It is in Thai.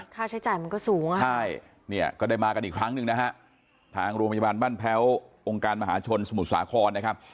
ค่าใช้จ่ายมันก็สูงอ่ะใช่เนี่ยก็ได้มากันอีกครั้งหนึ่งนะฮะทางโรงพยาบาลบ้านแพ้วองค์การมหาชนสมุทรสาครนะครับ